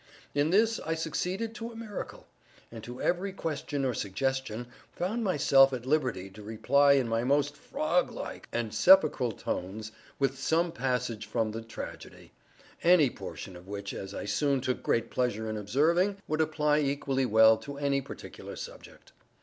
In this, I succeeded to a miracle; and to every question or suggestion found myself at liberty to reply in my most frog like and sepulchral tones with some passage from the tragedy—any portion of which, as I soon took great pleasure in observing, would apply equally well to any particular subject.